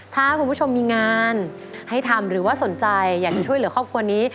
ถ้าคุณผู้ชมมีงานให้ทำหรือว่าสนใจอยากจะช่วยเหลือครอบครัวนี้